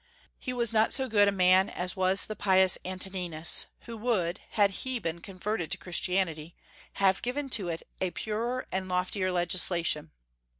He was not so good a man as was the pious Antoninus, who would, had he been converted to Christianity, have given to it a purer and loftier legislation.